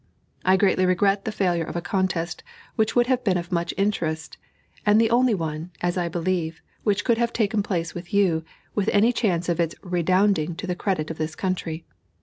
I greatly regret the failure of a contest which would have been of much interest, and the only one, as I believe, which could have taken place with you, with any chance of its redounding to the credit of this country.